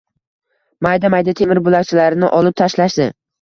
Mayda-mayda temir bo‘lakchalarini olib tashlashdi.